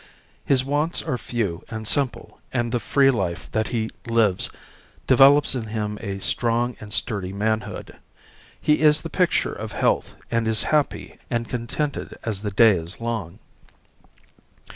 His wants are few and simple and the free life that he lives develops in him a strong and sturdy manhood. He is the picture of health and is happy and contented as the day is long.